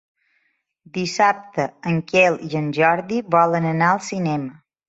Dissabte en Quel i en Jordi volen anar al cinema.